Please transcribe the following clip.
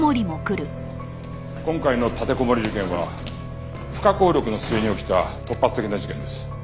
今回の立てこもり事件は不可抗力の末に起きた突発的な事件です。